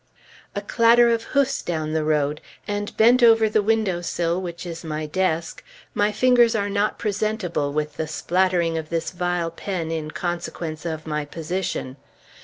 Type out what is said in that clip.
A clatter of hoofs down the road! And bent over the window sill which is my desk, my fingers are not presentable with the splattering of this vile pen in consequence of my position.